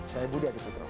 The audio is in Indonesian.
saya budi adiputro